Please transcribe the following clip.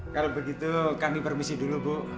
kalau begitu kami permisi dulu bu